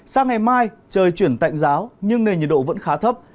sau ngày mai trời chuyển tạnh ráo nhưng nền nhiệt độ vẫn khá thấp